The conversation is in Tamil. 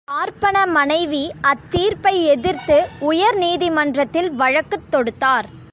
பார்ப்பன மனைவி அத்தீர்ப்பை எதிர்த்து, உயர் நீதிமன்றத்தில் வழக்குத் தொடுத்தார்.